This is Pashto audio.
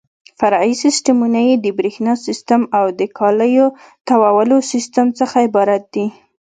فرعي سیسټمونه یې د برېښنا سیسټم او د کالیو تاوولو سیسټم څخه عبارت دي.